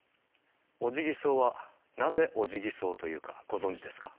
オジギソウはなぜオジギソウというかご存じですか？